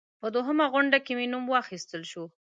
په دوهمه غونډه کې مې نوم واخیستل شو.